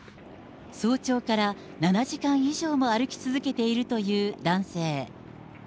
早朝から７時間以上も歩き続けているという男性。